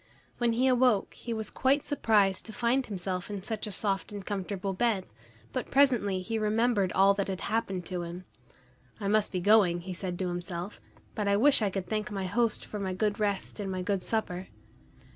When he awoke he was quite surprised to find himself in such a soft and comfortable bed, but presently he remembered all that had happened to him. "I must be going," he said to himself, "but I wish I could thank my host for my good rest and my good supper."